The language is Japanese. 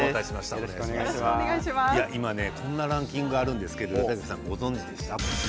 今こんなランキングがあるんですけど皆さん、ご存じでしょうか。